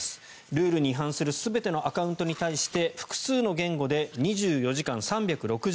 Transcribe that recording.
ルールに違反する全てのアカウントに対して複数の言語で２４時間３６５日